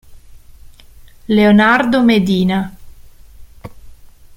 Leonardo Medina